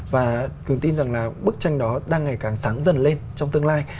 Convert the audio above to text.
và cường tin rằng là bức tranh đó đang ngày càng sáng dần lên trong tương lai